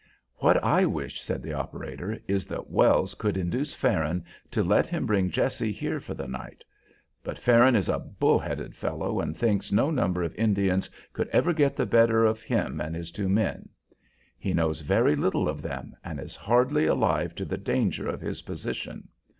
"What I wish," said the operator, "is that Wells could induce Farron to let him bring Jessie here for the night; but Farron is a bull headed fellow and thinks no number of Indians could ever get the better of him and his two men. He knows very little of them and is hardly alive to the danger of his position.